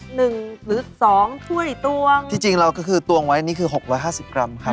หนึ่งหรือสองถ้วยตวงที่จริงเราก็คือตวงไว้นี่คือหกร้อยห้าสิบกรัมครับ